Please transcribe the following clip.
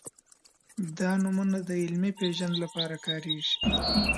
دا نومونه د علمي پېژند لپاره کارېږي.